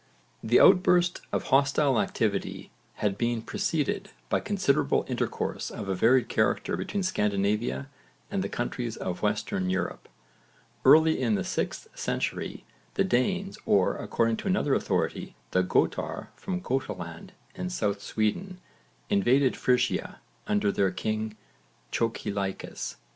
This outburst of hostile activity had been preceded by considerable intercourse of a varied character between Scandinavia and the countries of Western Europe. Early in the 6th century the Danes or, according to another authority, the Götar from Götaland in south Sweden, invaded Frisia under their king Chocilaicus.